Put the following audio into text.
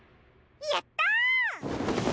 やった！